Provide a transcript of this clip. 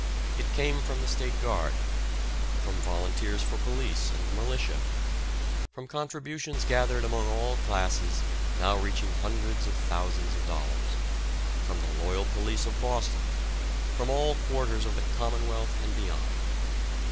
It came from the State Guard, from volunteers for police, and the militia, from contributions gathered among all classes now reaching hundreds of thousands of dollars, from the loyal police of Boston, from all quarters of the Commonwealth and beyond.